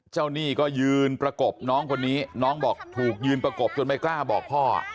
หนี้ก็ยืนประกบน้องคนนี้น้องบอกถูกยืนประกบจนไม่กล้าบอกพ่อ